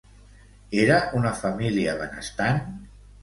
Era una família benestant?